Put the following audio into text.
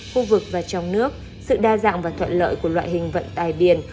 khu vực và trong nước sự đa dạng và thuận lợi của loại hình vận tài biển